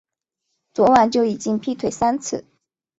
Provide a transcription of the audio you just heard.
昨晚就已经劈腿三次